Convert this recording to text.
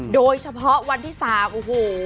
โดยเฉพาะวันที่๓โอ้โห